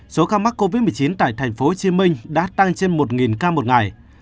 số ca mắc covid một mươi chín tại thành phố hồ chí minh đã tăng trên một ca một ngày